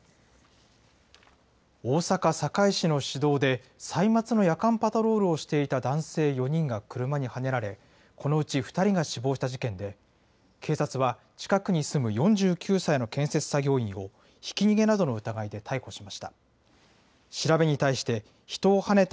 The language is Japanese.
大阪・堺市の市道で歳末の夜間パトロールをしていた男性４人が車にはねられ、このうち２人が死亡した事件で、警察は、近くに住む４９歳の建設作業員を、ひき逃げなどの疑いで逮捕しました。